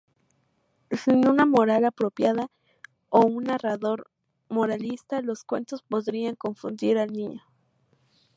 Sin una moral apropiada o un narrador moralista, los cuentos podrían confundir al niño.